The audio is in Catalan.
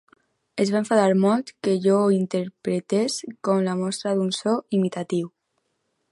Es va enfadar molt que jo ho interpretés com la mostra d'un so imitatiu.